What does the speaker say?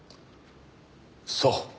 そう。